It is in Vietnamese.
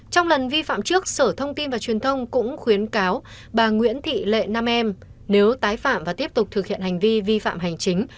trong lần vi phạm trước sở thông tin và truyền thông cũng khuyến cáo bà nguyễn thị lệ nam em nếu tái phạm và tiếp tục thực hiện hành vi vi phạm hành chính